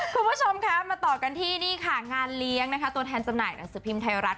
คุณผู้ชมคะมาต่อกันที่นี่ค่ะงานเลี้ยงนะคะตัวแทนจำหน่ายหนังสือพิมพ์ไทยรัฐ